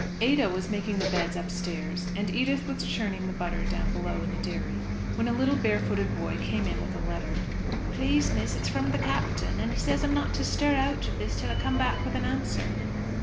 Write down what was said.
Ada was making the beds upstairs, and Edith was churning the butter down below in the dairy, when a little bare footed boy came in with a letter. "Please, miss, it's from the Captain, and he says I'm not to stir out of this till I come back with an answer."